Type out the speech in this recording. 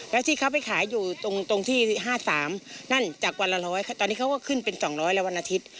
แล้วที่เขาไปขายอยู่ตรงที่๕๓นั่นจากวันละ๑๐๐ตอนนี้เขาก็ขึ้นเป็น๒๐๐แล้ววันอาทิตย์